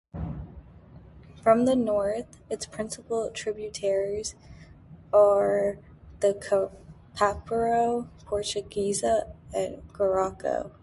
From the north, its principal tributaries are the Caparo, Portuguesa and Guarico.